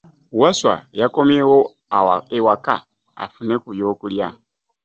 Wasswa yakomyeewo ewaka afune ku byokulya.